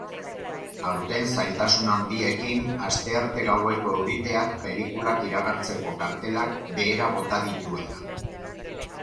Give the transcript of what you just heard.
Aurten zailtasun handiekin, astearte gaueko euriteak pelikulak iragartzeko kartelak behera bota dituela.